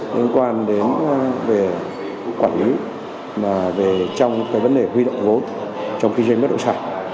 liên quan đến về quản lý và về trong cái vấn đề huy động vốn trong kinh doanh mất động sản